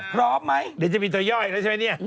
พร้อมไหมเดี๋ยวจะมีตัวย่ออีกแล้วใช่ไหม